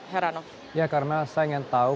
heranov ya karena saya ingin tahu